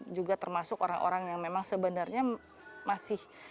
juga termasuk orang orang yang memang sebenarnya masih